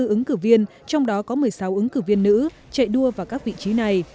bốn ứng cử viên trong đó có một mươi sáu ứng cử viên nữ chạy đua vào các vị trí này